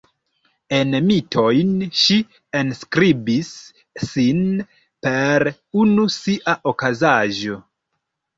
En mitojn ŝi enskribis sin per unu sia okazaĵo.